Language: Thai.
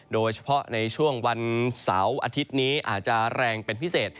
โดยเฉพาะในช่วงวันเสาร์อาทิตย์นี้อาจจะแรงเป็นพิเศษ